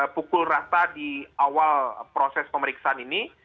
pukul rata di awal proses pemeriksaan ini